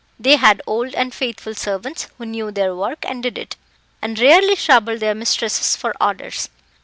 They had old and faithful servants, who knew their work and did it, and rarely troubled their mistresses for orders.